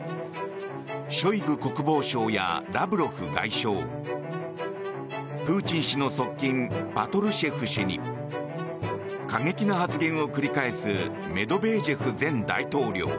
ショイグ国防相やラブロフ外相プーチン氏の側近パトルシェフ氏に過激な発言を繰り返すメドベージェフ前大統領。